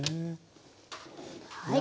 はい。